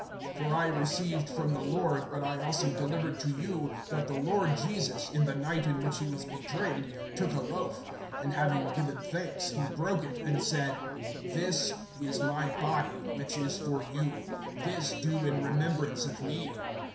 (23)For I received from the Lord, what I also delivered to you, that the Lord Jesus, in the night in which he was betrayed, took a loaf; (24)and having given thanks, he broke it, and said: This is my body, which is for you; this do in remembrance of me.